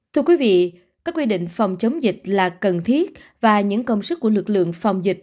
thưa quý vị các quy định phòng chống dịch là cần thiết và những công sức của lực lượng phòng dịch